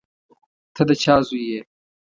ته د چا زوی یې.